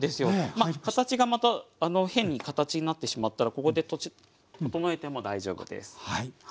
まあ形がまた変に形になってしまったらここで整えても大丈夫です。